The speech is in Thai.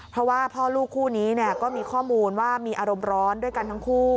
เพราะว่าพ่อลูกคู่นี้ก็มีข้อมูลว่ามีอารมณ์ร้อนด้วยกันทั้งคู่